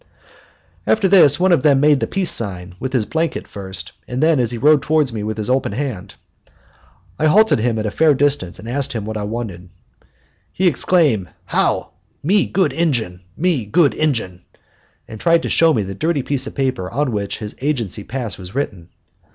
After this one of them made the peace sign, with his blanket first, and then, as he rode toward me, with his open hand. I halted him at a fair distance and asked him what he wanted. He exclaimed, "How! Me good Injun, me good Injun," and tried to show me the dirty piece of paper on which his agency pass was written.